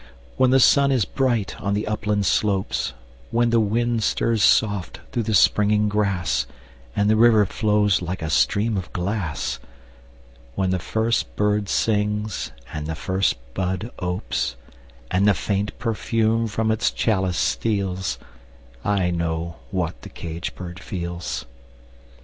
When the sun is bright on the upland slopes; When the wind stirs soft through the springing grass, And the river flows like a stream of glass; When the first bird sings and the first bud opes, And the faint perfume from its chalice steals I know what the caged bird feels!